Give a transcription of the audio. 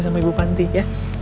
sama ibu panti ya